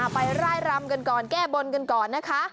ไปร่ายรำกันก่อนแก้บนกันก่อนนะคะ